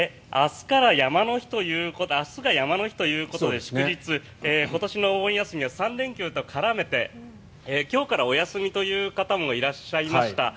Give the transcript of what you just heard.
明日が山の日ということで祝日今年のお盆休みは３連休と絡めて今日からお休みという方もいらっしゃいました。